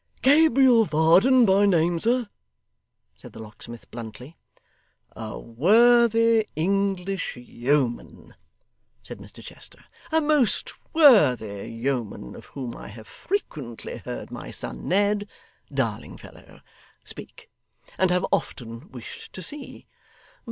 'Gabriel Varden by name, sir,' said the locksmith bluntly. 'A worthy English yeoman!' said Mr Chester. 'A most worthy yeoman, of whom I have frequently heard my son Ned darling fellow speak, and have often wished to see.